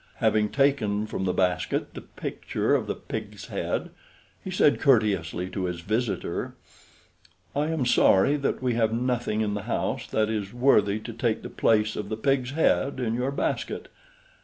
Having taken from the basket the picture of the pig's head, he said courteously to his visitor: "I am sorry that we have nothing in the house that is worthy to take the place of the pig's head in your basket.